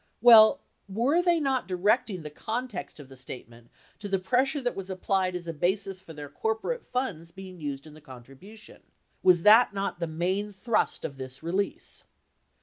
Well, were they not directing the context of the statement to the pressure that was applied as a basis for their corporate funds being used in the contribution? Was that not the main thrust of this release